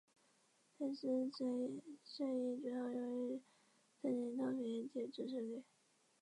阿贝折射仪主要用于测定透明液体的折射率。